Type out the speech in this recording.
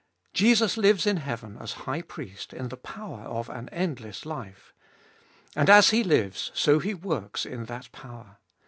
Jesus lives in heaven as High Priest in the power of an endless life. And as He lives, so He works in that power.